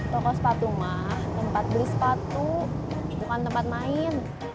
toko sepatu mah tempat beli sepatu bukan tempat main